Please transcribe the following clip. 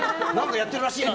やってるらしいなって。